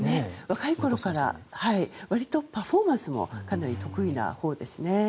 若いころから割とパフォーマンスもかなり得意なほうですね。